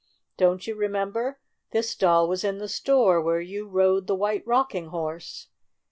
"Don't you remember ? This doll was in the store where you rode the White Rocking Horse!"